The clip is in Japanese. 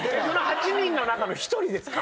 ８人の中の１人ですか？